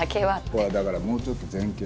ほらだからもうちょっと前傾。